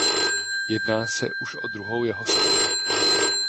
Jedná se o už o druhou jeho sochu.